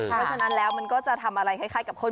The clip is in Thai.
เพราะฉะนั้นแล้วมันก็จะทำอะไรคล้ายกับคน